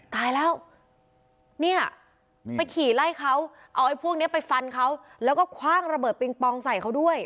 ตายแล้วเนี่ยไปขี่ไล่เขาเอาไอ้พวกนี้ไปฟันเขาแล้วก็คว่างระเบิดปิงปองใส่เขาด้วย